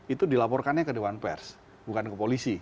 itu dilaporkannya ke dewan pers bukan ke polisi